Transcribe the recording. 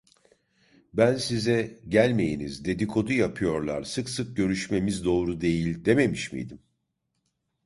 Ben size, gelmeyiniz, dedikodu yapıyorlar, sık sık görüşmemiz doğru değil dememiş miydim?